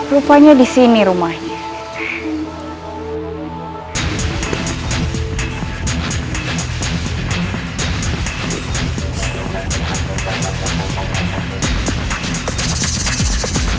rupanya di sini rumahnya